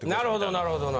なるほど。